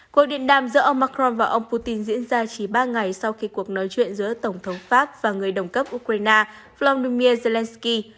cuộc điện đàm giữa ông macron và ông putin diễn ra chỉ ba ngày sau khi cuộc nói chuyện giữa tổng thống pháp và người đồng cấp ukraine volodymyr zelensky